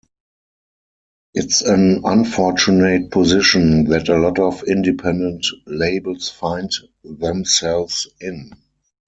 It's an unfortunate position that a lot of independent labels find themselves in.